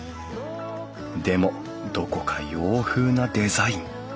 でもどこか洋風なデザイン。